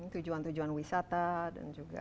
tujuan tujuan wisata dan juga